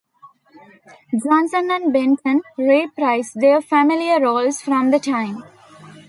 Johnson and Benton reprised their familiar roles from The Time.